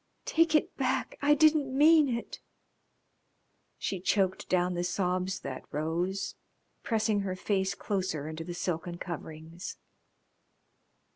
Take it back. I didn't mean it." She choked down the sobs that rose, pressing her face closer into the silken coverings.